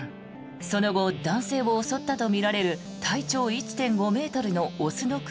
その後、男性を襲ったとみられる体長１．５ｍの雄の熊